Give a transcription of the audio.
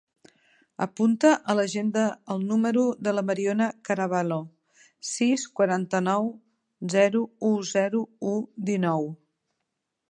Apunta a l'agenda el número de la Mariona Caraballo: sis, quaranta-nou, zero, u, zero, u, dinou.